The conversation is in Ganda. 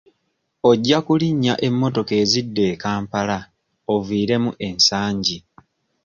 Ojja kulinnya emmotoka ezidda e Kampala oviiremu e Nsangi.